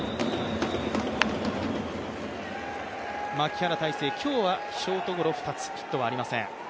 牧原大成、今日はショートゴロ２つ、ヒットはありません。